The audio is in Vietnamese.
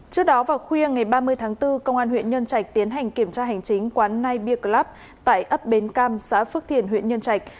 trước đó vào khuya ngày ba mươi tháng bốn công an huyện nhân trạch tiến hành kiểm tra hành chính quán nai bia club tại ấp bến cam xã phước thiền huyện nhân trạch